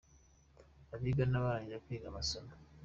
Abiga n’abarangije kwiga amasomo.